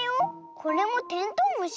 これもテントウムシ？